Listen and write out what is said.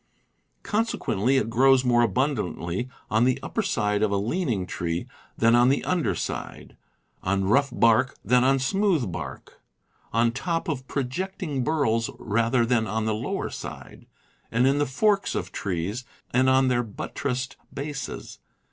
Consequently it grows more abundantly on the upper side of a leaning tree than on the under side, on rough bark than on smooth bark, on top of project ing burls rather than on the lower side, and in the forks of trees, and on their buttressed bases.